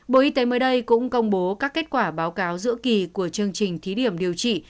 bộ y tế mới đây cũng công bố các kết quả báo cáo giữa kỳ của chương trình thí điểm điều trị